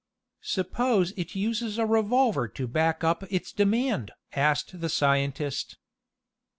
"Suppose it uses a revolver to back up its demand?" asked the scientist.